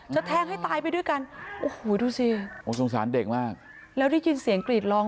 แทงให้ตายไปด้วยกันโอ้โหดูสิโอ้สงสารเด็กมากแล้วได้ยินเสียงกรีดร้อง